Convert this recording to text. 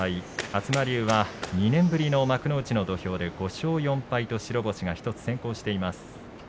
東龍は２年ぶりの幕内の土俵で５勝４敗と白星が１つ先行しています。